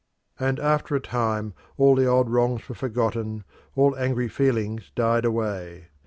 And after a time all the old wrongs were forgotten, all angry feelings died away.